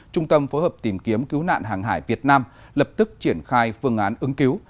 trung tâm phối hợp tìm kiếm cứu nạn hàng hải việt nam lập tức triển khai phương án ứng cứu